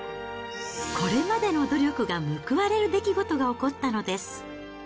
これまでの努力が報われる出来事が起こったのです。